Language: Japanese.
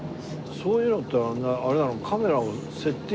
そういうのってあれなの？